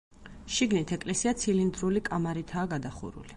შიგნით ეკლესია ცილინდრული კამარითაა გადახურული.